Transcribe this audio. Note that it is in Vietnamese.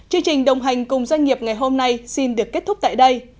chương trình đồng hành cùng doanh nghiệp ngày hôm nay xin được kết thúc tại đây